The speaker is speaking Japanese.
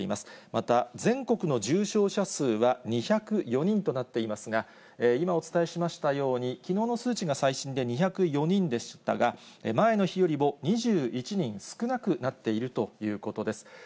また全国の重症者数は２０４人となっていますが、今お伝えしましたように、きのうの数値が最新で２０４人でしたが、前の日よりも２１人少なくなっているということです。